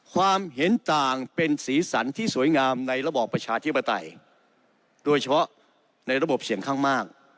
ความเห็นต่างเป็นสีสันที่สวยงามในระบอบประชาธิปไตยโดยเฉพาะในระบบเสี่ยงข้างมาก